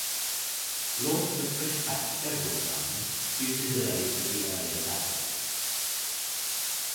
Launch was pushed back several times due to delays with the earlier satellites.